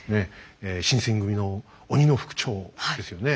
新選組の鬼の副長ですよね。